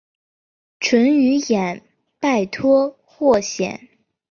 淳于衍拜托霍显。